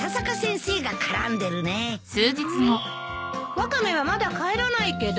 ワカメはまだ帰らないけど。